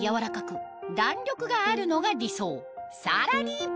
さらに！